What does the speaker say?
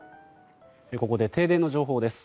ここで停電の情報です。